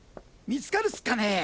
見つかるっスかねぇ？